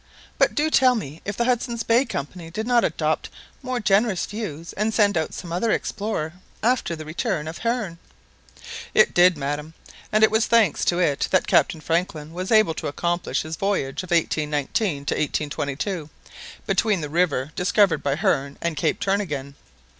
But do tell me if the Hudson's Bay Company did not adopt more generous views, and send out some other explorer after the return of Hearne." "It did, madam; and it was thanks to it that Captain Franklin was able to accomplish his voyage of 1819 to 1822 between the river discovered by Hearne and Cape Turnagain.